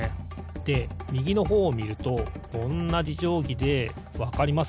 でみぎのほうをみるとおんなじじょうぎでわかります？